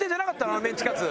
あのメンチカツ。